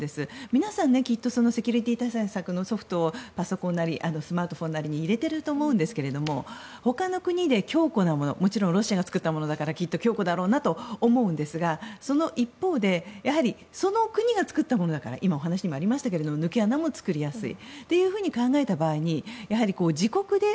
皆さん、きっとセキュリティー対策のソフトをパソコンなりスマートフォンなりに入れていると思うんですがほかの国で強固なもの、もちろんロシアが作ったものだからきっと強固だろうなと思うんですがその一方でやはりその国が作ったものだから今、お話にもありましたが抜け穴も作りやすい。